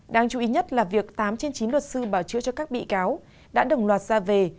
đáng chú ý nhất là việc tám trên chín luật sư bảo chữa cho các bị cáo đã đồng loạt ra về